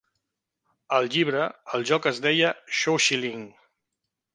Al llibre, el joc es deia "shoushiling".